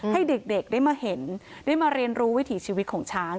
ให้เด็กได้มาเห็นได้มาเรียนรู้วิถีชีวิตของช้าง